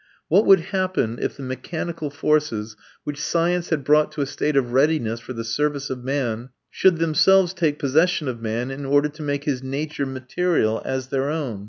What would happen if the mechanical forces, which science had brought to a state of readiness for the service of man, should themselves take possession of man in order to make his nature material as their own?